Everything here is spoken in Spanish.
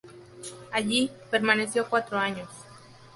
Allí, permaneció cuatro años.